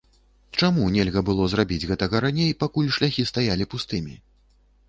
Чаму нельга было зрабіць гэтага раней, пакуль шляхі стаялі пустымі?